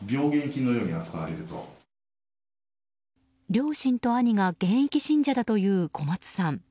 両親と兄が現役信者だという小松さん。